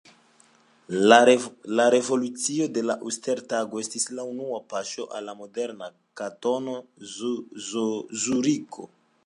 La revolucio de la Uster-Tago estis la unua paŝo al la moderna Kantono Zuriko.